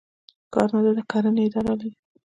کاناډا د کرنې اداره لري.